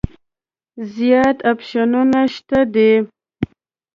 زیات اپشنونه شته دي.